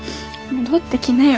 戻ってきなよ。